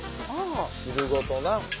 汁ごとな。